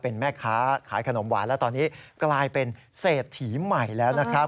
เป็นแม่ค้าขายขนมหวานแล้วตอนนี้กลายเป็นเศรษฐีใหม่แล้วนะครับ